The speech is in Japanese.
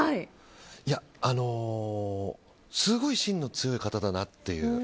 すごい芯の強い方だなっていう。